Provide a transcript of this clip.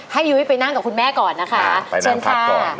ยุ้ยไปนั่งกับคุณแม่ก่อนนะคะเชิญค่ะ